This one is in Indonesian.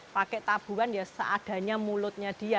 pakai tabuan ya seadanya mulutnya dia